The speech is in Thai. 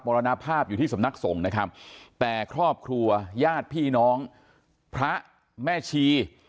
รณภาพอยู่ที่สำนักสงฆ์นะครับแต่ครอบครัวญาติพี่น้องพระแม่ชี